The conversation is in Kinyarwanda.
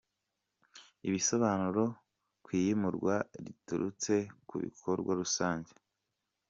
Ibisobanuro ku iyimurwa riturutse ku bikorwa rusange….